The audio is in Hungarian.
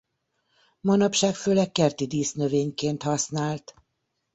Manapság főleg kerti dísznövényként használt.